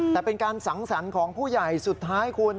แต่เป็นการสังสรรค์ของผู้ใหญ่สุดท้ายคุณ